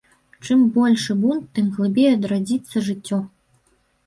Чым большы бунт, тым глыбей адрадзіцца жыццё.